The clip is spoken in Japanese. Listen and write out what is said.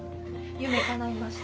夢かないました